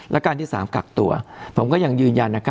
และการที่๓กักตัวผมก็ยังยืนยัน